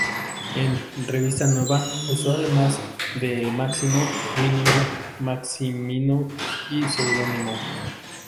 En "Revista Nueva" usó además el de "Máximo", "Mínimo", "Maximino" y "Pseudónimo".